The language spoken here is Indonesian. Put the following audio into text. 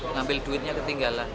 ngambil duitnya ketinggalan